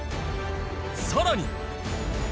更に。